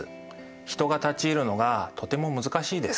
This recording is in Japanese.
人が立ち入るのがとても難しいです。